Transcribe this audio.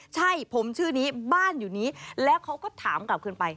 ใช่ผมชื่อนี้บ้านอยู่นี้แล้วเขาก็ถามกลับคืนไป